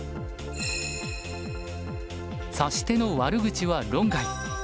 指し手の悪口は論外。